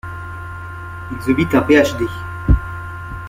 Il obitent un Ph.D.